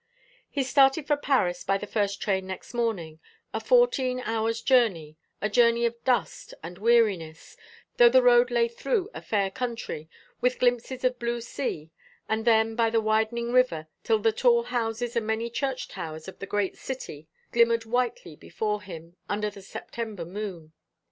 He started for Paris by the first train next morning, a fourteen hours' journey, a journey of dust and weariness, though the road lay through a fair country, with glimpses of the blue sea, and then by the widening river, till the tall houses and the many church towers of the great city glimmered whitely before him, under the September moon.